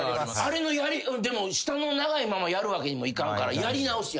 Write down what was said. でも下の長いままやるわけにもいかんからやり直すやん。